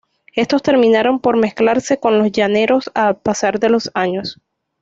Estos terminaron por mezclarse con los llaneros al pasar los años.